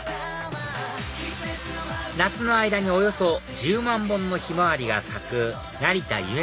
夏の間におよそ１０万本のヒマワリが咲く成田ゆめ